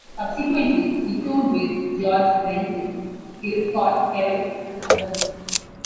Subsequently he toured with George Benson, Gil Scott-Heron and others.